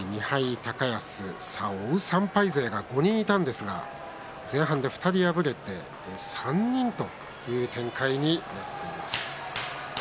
追う３敗勢は５人いたんですが前半で２人敗れて３人という展開になっています。